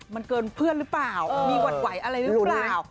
มันเกินเพื่อนหรือเปล่ามีหวัดไหวอะไรหรือเปล่า